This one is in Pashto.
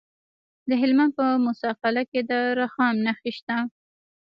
د هلمند په موسی قلعه کې د رخام نښې شته.